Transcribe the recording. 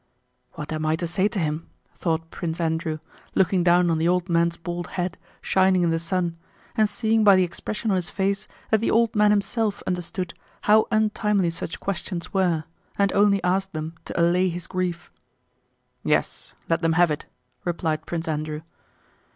"What am I to say to him?" thought Prince Andrew, looking down on the old man's bald head shining in the sun and seeing by the expression on his face that the old man himself understood how untimely such questions were and only asked them to allay his grief. "Yes, let them have it," replied Prince Andrew.